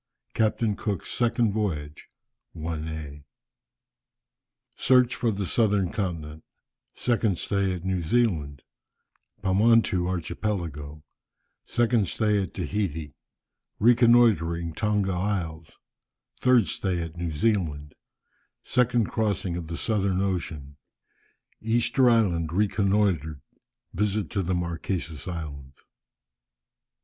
CAPTAIN COOK'S SECOND VOYAGE. I. Search for the Southern Continent Second stay at New Zealand Pomontou Archipelago Second stay at Tahiti Reconnoitring Tonga Isles Third stay at New Zealand Second crossing of the Southern Ocean Easter Island reconnoitred Visit to the Marquesas Islands.